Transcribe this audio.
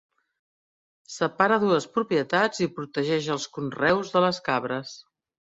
Separa dues propietats i protegeix els conreus de les cabres.